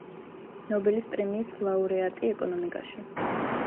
ნობელის პრემიის ლაურეატი ეკონომიკაში.